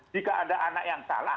jika ada anak yang salah